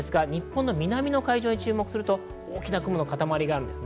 日本の南の海上に注目すると大きな雲の塊があります。